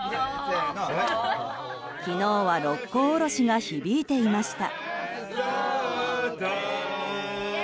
昨日は「六甲おろし」が響いていました。